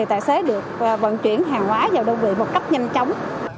tài xế được vận chuyển hàng hóa vào đơn vị một cách nhanh chóng